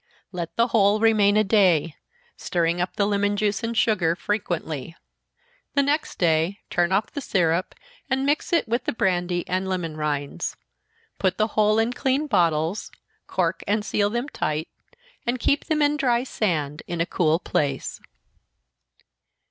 Let the whole remain a day, stirring up the lemon juice and sugar frequently. The next day turn off the syrup, and mix it with the brandy and lemon rinds put the whole in clean bottles, cork and seal them tight, and keep them in dry sand, in a cool place.